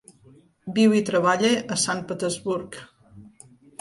Viu i treballa a Sant Petersburg.